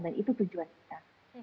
dan itu tujuan kita